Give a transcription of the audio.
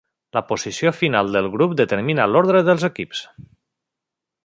La posició final del grup determina l'ordre dels equips.